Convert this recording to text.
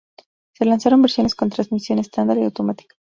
Se lanzaron versiones con transmisión estándar y automática.